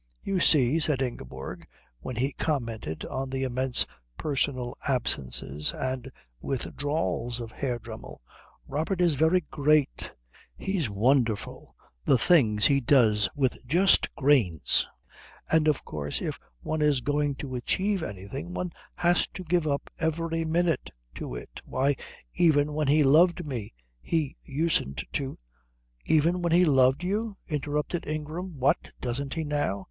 "You see," said Ingeborg when he commented on the immense personal absences and withdrawals of Herr Dremmel, "Robert is very great. He's wonderful! The things he does with just grains! And of course if one is going to achieve anything one has to give up every minute to it. Why, even when he loved me he usedn't to " "Even when he loved you?" interrupted Ingram. "What, doesn't he now?"